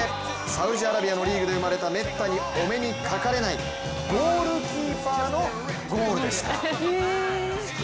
サウジアラビアのリーグで生まれた、めったに見られないゴールキーパーのゴールでした。